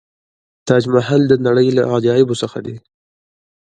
تاج محل د نړۍ له عجایبو څخه دی.